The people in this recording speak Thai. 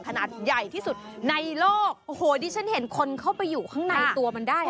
ขนาดใหญ่ที่สุดในโลกโอ้โหดิฉันเห็นคนเข้าไปอยู่ข้างในตัวมันได้